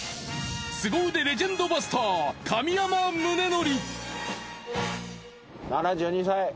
スゴ腕レジェンドバスター神山宗教！